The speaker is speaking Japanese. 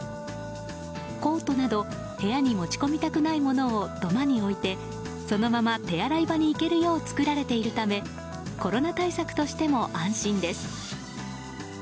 コートなど部屋に持ち込みたくないものを土間に置いてそのまま手洗い場に行けるよう作られているためコロナ対策としても安心です。